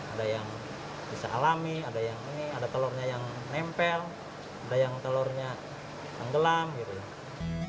ada yang bisa alami ada yang ini ada telurnya yang nempel ada yang telurnya tenggelam gitu ya